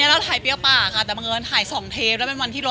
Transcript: และยังมาให้อยู่มากดี